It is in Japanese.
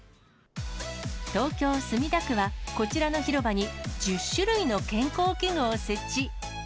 東京・墨田区は、こちらの広場に１０種類の健康器具を設置。